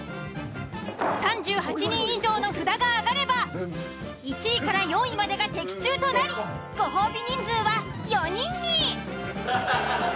３８人以上の札が上がれば１位４位までが的中となりご褒美人数は４人に。